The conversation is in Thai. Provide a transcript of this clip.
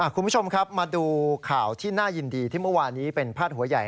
คุณผู้ชมครับมาดูข่าวที่น่ายินดีที่เมื่อวานี้เป็นพาดหัวใหญ่